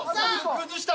崩した？